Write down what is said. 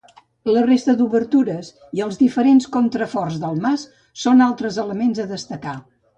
La resta d'obertures i els diferents contraforts del mas són altres elements a destacar.